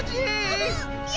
うん！